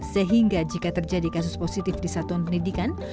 sehingga jika terjadi kasus positif di satuan pendidikan